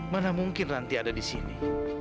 mana mungkin ranti ada di sini